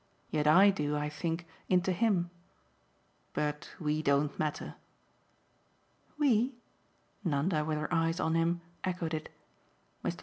Yet I do, I think, into him. But we don't matter!" "'We'?" Nanda, with her eyes on him, echoed it. "Mr.